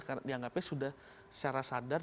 karena dianggapnya sudah secara sadar